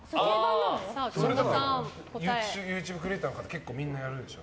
ＹｏｕＴｕｂｅクリエーターの方みんなやるでしょ。